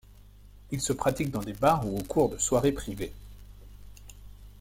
Ils se pratiquent dans des bars ou au cours de soirées privées.